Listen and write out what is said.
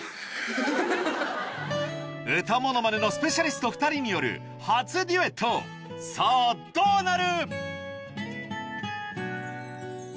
歌ものまねのスペシャリスト２人による初デュエットさぁどうなる？